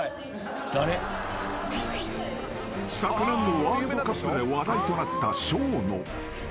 ［昨年のワールドカップで話題となった］